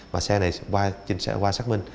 và xe này qua xác minh